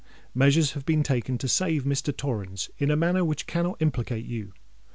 Measures have been taken to save Mr. Torrens, in a manner which cannot implicate you.